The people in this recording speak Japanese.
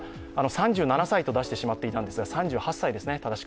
３７歳と出してしまっていたんですが、正しくは３８歳ですね。